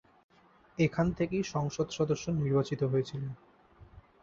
এখান থেকেই সংসদ সদস্য নির্বাচিত হয়েছিলেন।